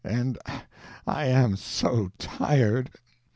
And I am so tired!